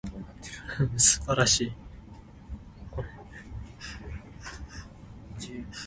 捒